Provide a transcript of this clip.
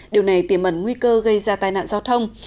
điều này tiềm ẩn nguy cơ gây ra tai nạn giao thông